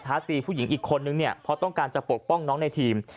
ตีผู้หญิงอีกคนนึงเนี่ยเพราะต้องการจะปกป้องน้องในทีม